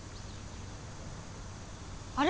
あれ？